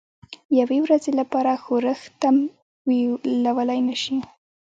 یوې ورځې لپاره ښورښ تمویلولای نه شي.